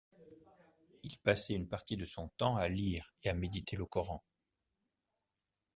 Il passait une partie de son temps à lire et à méditer le Coran.